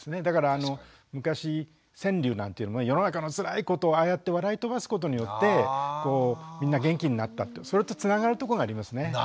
だから昔川柳なんていうのは世の中のつらいことをああやって笑い飛ばすことによってみんな元気になったってそれとつながるとこがありますね。